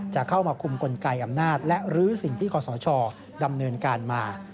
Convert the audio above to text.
จะเข้ามาคุมกลไกอำนาจและรื้อสิ่งที่ขอสชดำเนินการมา